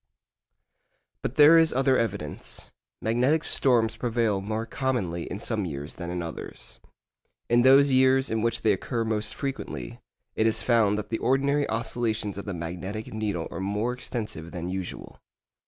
But there is other evidence. Magnetic storms prevail more commonly in some years than in others. In those years in which they occur most frequently, it is found that the ordinary oscillations of the magnetic needle are more extensive than usual.